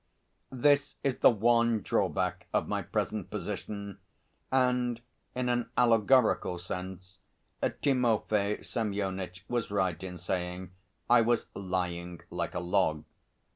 This is the one drawback of my present position, and in an allegorical sense Timofey Semyonitch was right in saying I was lying like a log.